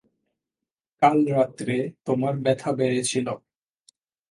কাল রাত্রে তোমার ব্যথা বেড়েছিল।